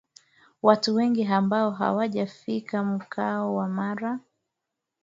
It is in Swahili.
Watu wengi ambao hawajafika mkoa wa Mara